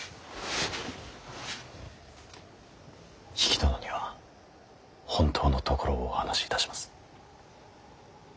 比企殿には本当のところをお話しいたします。